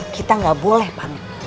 kita gak boleh panik